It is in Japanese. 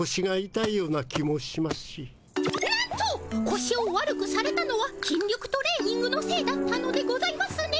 こしを悪くされたのは筋力トレーニングのせいだったのでございますね。